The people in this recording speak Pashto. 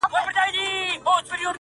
د سترگو توري په کي به دي ياده لرم،